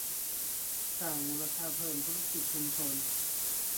สร้างมูลค่าเพิ่มธุรกิจชุมชน